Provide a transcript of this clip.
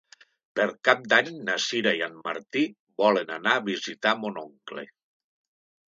Per Cap d'Any na Sira i en Martí volen anar a visitar mon oncle.